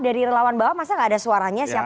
dari relawan bawah masa gak ada suaranya siapa